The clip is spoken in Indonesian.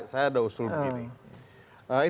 saya ada usul begini